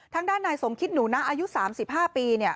ทางด้านนายสมคิดหนูนะอายุสามสิบห้าปีเนี้ย